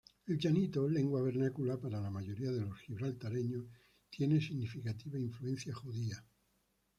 El llanito, lengua vernácula para la mayoría de los gibraltareños, tiene significativa influencia judía.